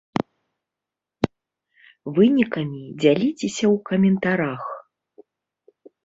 Вынікамі дзяліцеся ў каментарах!